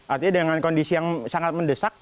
artinya dengan kondisi yang sangat mendesak